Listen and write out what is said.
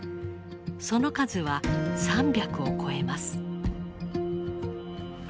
その数は３００を超えます。